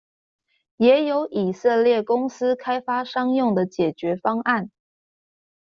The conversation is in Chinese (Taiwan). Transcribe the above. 也有以色列公司開發商用的解決方案